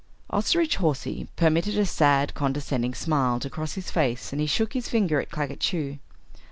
Osterbridge Hawsey permitted a sad condescending smile to cross his face and he shook his finger at Claggett Chew.